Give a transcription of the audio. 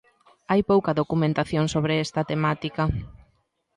Hai pouca documentación sobre esta temática.